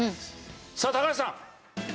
さあ高橋さん。